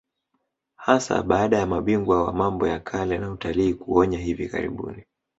Hasa baada ya mabingwa wa mambo ya kale na utalii kuonya hivi karibuni